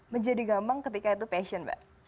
menjadi gampang ketika itu passion mbak